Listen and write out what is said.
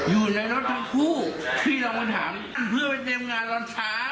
อยู่ในรถทั้งคู่พี่ลงมาถามเพื่อไปเตรียมงานตอนเช้า